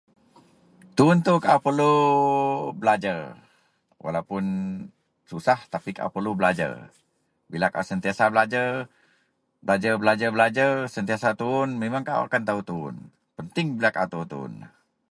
Tuwon Ito kaau perlu...lu. Belajaer walau puon susah tapi kaau perlu belajer bila kaau sentiasa belajer, belajer, belajer, belajer sentiasa tuwon memeng kaau akan tao tuwon penting kaau tao tuwon.